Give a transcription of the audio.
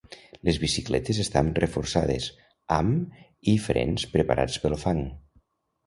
Les bicicletes estan reforçades, amb i frens preparats pel fang.